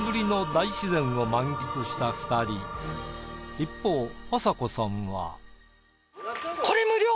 一方あさこさんは。